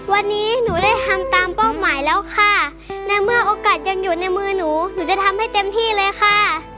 วันนี้หนูได้ทำตามเป้าหมายแล้วค่ะในเมื่อโอกาสยังอยู่ในมือหนูหนูจะทำให้เต็มที่เลยค่ะ